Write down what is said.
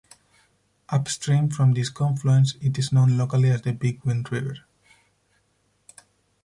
Up stream from this confluence, it is known locally as the Big Wind River.